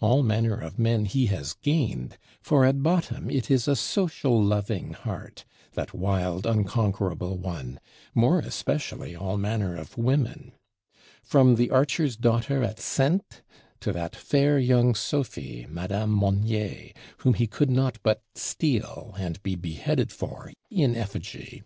All manner of men he has gained; for at bottom it is a social loving heart, that wild unconquerable one more especially all manner of women. From the Archer's Daughter at Saintes to that fair young Sophie, Madame Monnier, whom he could not but "steal" and be beheaded for in effigy!